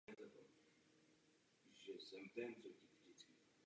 Jedná se o skutečný problém.